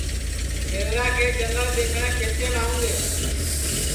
سیوراکے جنگݪ ٻیسٹؔیں کھیتینٚم آؤں گے